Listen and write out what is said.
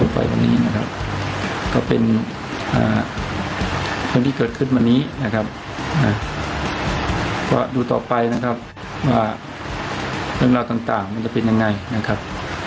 ก็เป็นเรื่องที่เกิดขึ้นวันนี้นะครับก็ดูต่อไปนะครับว่าเรื่องราวต่างมันจะเป็นยังไงนะครับ